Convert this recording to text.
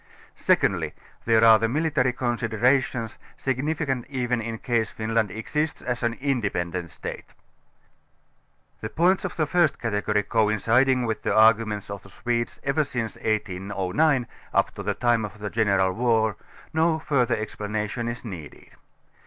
Secondly there are the military considerations, signifi cant even in case Finland exists as an independent State. The points of view of the first category coinciding with the arguments of the Swedes ever since 1809 up to the time of the general war, no further explanation is needed.